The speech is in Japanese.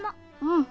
うん。